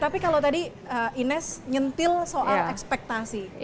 tapi kalau tadi ines nyentil soal ekspektasi